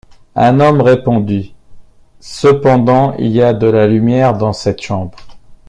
Un homme répondit: — Cependant il y a de la lumière dans cette chambre.